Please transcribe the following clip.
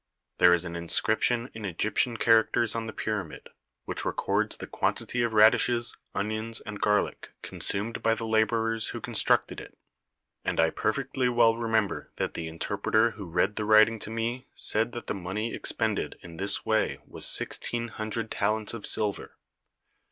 There is an in scription in Egyptian characters on the pyramid, which records the quantity of radishes, onions, and garlic consumed by the labourers who constructed it; and I perfectly well remember that the interpreter who read the writing to me said that the money ex pended in this way was sixteen hundred talents of silver.